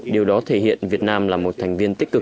điều đó thể hiện việt nam là một thành viên tích cực